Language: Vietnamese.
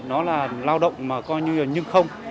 nó là lao động mà coi như là nhưng không